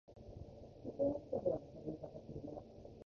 保険をかけたようなしゃべり方するね